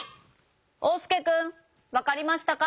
おうすけくんわかりましたか？